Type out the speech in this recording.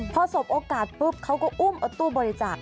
พอสบโอกาสปุ๊บเขาก็อุ้มเอาตู้บริจาค